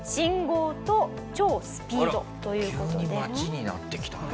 急に町になってきたね。